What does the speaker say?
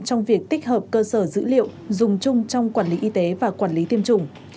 trong việc tích hợp cơ sở dữ liệu dùng chung trong quản lý y tế và quản lý tiêm chủng